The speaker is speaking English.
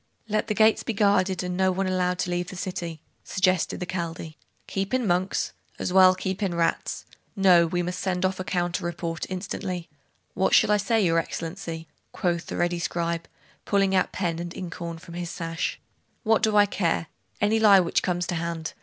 'Let the gates be guarded, and no one allowed to leave the city,' suggested the Chaldee. 'Keep in monks? as well keep in rats! No; we must send off a counter report, instantly.' 'What shall I say, your Excellency?' quoth the ready scribe, pulling out pen and inkhorn from his sash. 'What do I care? Any lie which comes to hand.